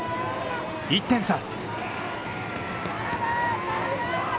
１点差。